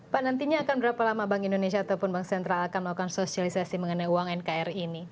pak nantinya akan berapa lama bank indonesia ataupun bank sentral akan melakukan sosialisasi mengenai uang nkri ini